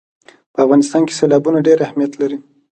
په افغانستان کې سیلابونه ډېر اهمیت لري.